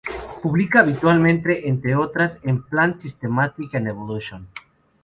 Publica habitualmente, entre otras, en Plant Systematics and Evolution.